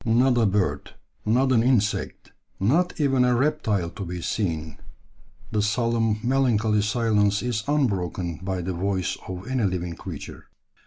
"Not a bird, not an insect, not even a reptile to be seen, the solemn, melancholy silence is unbroken by the voice of any living creature."